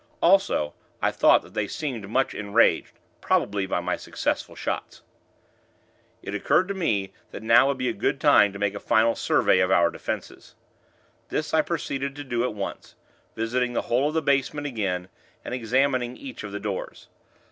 Also, I thought that they seemed much enraged, probably by my successful shots. It occurred to me, that now would be a good time to make a final survey of our defenses. This, I proceeded to do at once; visiting the whole of the basement again, and examining each of the doors.